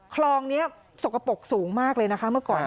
คลองนี้สกปรกสูงมากเลยนะคะเมื่อก่อน